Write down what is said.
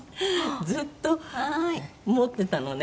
ずっと持ってたのね。